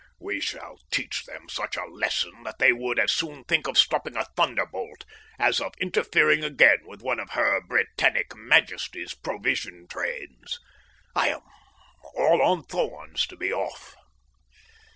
We shall teach them such a lesson that they would as soon think of stopping a thunderbolt as of interfering again with one of Her Britannic Majesty's provision trains. I am all on thorns to be off.